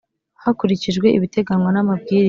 Hakurikijwe ibiteganywa n amabwiriza